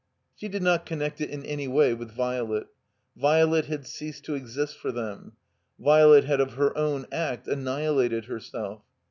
She did not connect it in any way with Violet. Violet had ceased to exist for them. Violet had of her own act annihilated herself.